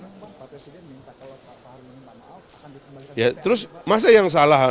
pak presiden minta pak harun minta maaf akan dikembangkan ke dpr